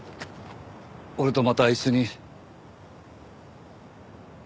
俺とまた一緒に。